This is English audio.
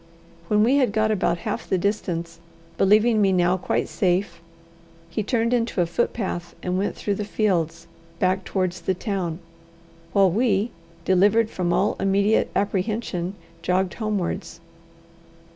When we had got about half the distance, believing me now quite safe, he turned into a footpath and went through the fields back towards the town; while we, delivered from all immediate apprehension, jogged homewards.